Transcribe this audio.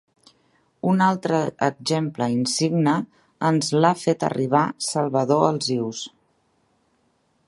Un altre exemple insigne ens l'ha fet arribar Salvador Alsius.